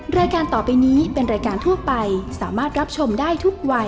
รายการต่อไปนี้เป็นรายการทั่วไปสามารถรับชมได้ทุกวัย